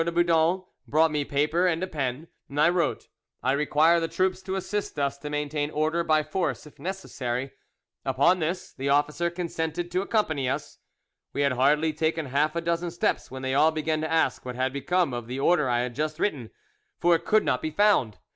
de Boudon brought me paper and a pen, and I wrote:—'I require the troops to assist us to maintain order by force if necessary.' Upon this, the officer consented to accompany us. We had hardly taken half a dozen steps when they all began to ask what had become of the order I had just written, for it could not be found.